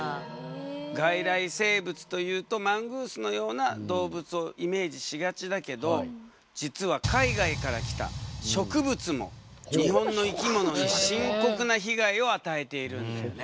外来生物というとマングースのような動物をイメージしがちだけど実は海外から来た植物も日本の生き物に深刻な被害を与えているんだよね。